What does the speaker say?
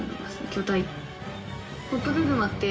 巨体。